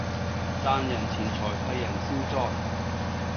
賺人錢財替人消災